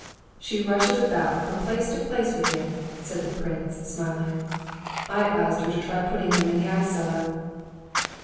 "She rushes about from place to place with him," said the prince, smiling. "I advised her to try putting him in the ice cellar."